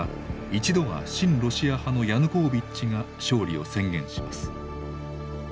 一度は親ロシア派のヤヌコービッチが勝利を宣言します。